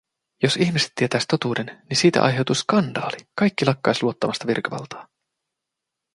Jos ihmiset tietäis totuuden, ni siitä aiheutuis skandaali, kaikki lakkais luottamasta virkavaltaa.”